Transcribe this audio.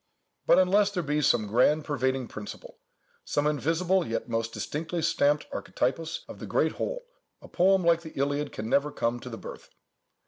But unless there be some grand pervading principle—some invisible, yet most distinctly stamped archetypus of the great whole, a poem like the Iliad can never come to the birth.